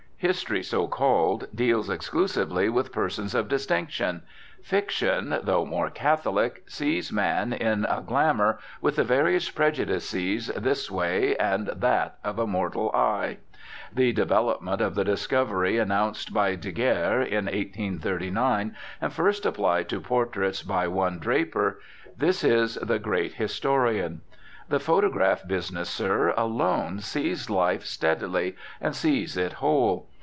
History, so called, deals exclusively with persons of distinction; fiction, though more catholic, sees man in a glamour, with the various prejudices this way and that of a mortal eye. The development of the discovery announced by Daguerre in 1839, and first applied to portraits by one Draper, this is the great historian. The photograph business, sir, alone sees life steadily and sees it whole.